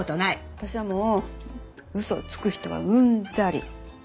私はもう嘘をつく人はうんざり。